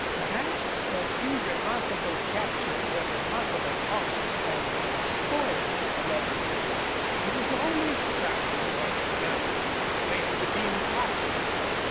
Perhaps a few remarkable captures of remarkable horses had spoiled Slone. He was always trying what the brothers claimed to be impossible.